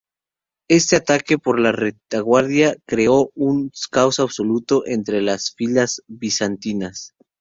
Este ataque por la retaguardia creó un caos absoluto entre las filas bizantinas.